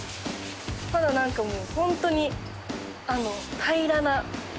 まだなんかもうホントに平らな。